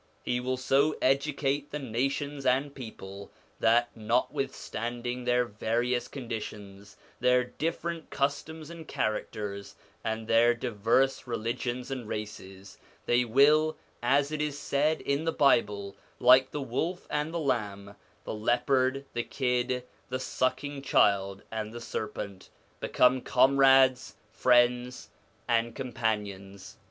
He will so educate the nations and people that, notwithstanding their various conditions, their different customs and characters, and their diverse religions and races, they will, as it is said in the Bible, like the wolf and the lamb, the leopard, the kid, the sucking child and the serpent, become comrades, friends, and companions.